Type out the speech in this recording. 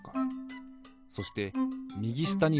そしてみぎしたには「タゴラ」。